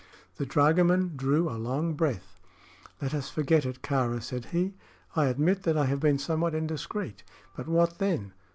The dragoman drew a long breath. "Let us forget it, Kāra," said he. "I admit that I have been somewhat indiscreet; but what then?